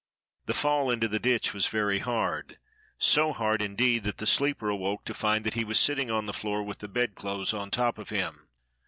The fall into the ditch was very hard, so hard, indeed, that the sleeper awoke to find that he was sitting on the floor with the bedclothes on top of him.